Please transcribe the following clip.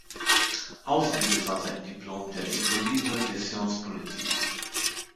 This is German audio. Außerdem besaß er ein Diplom der "École libre des sciences politiques".